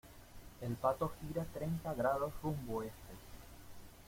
el pato gira treinta grados rumbo este.